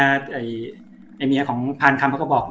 ไอ้เมียของพานคำเขาก็บอก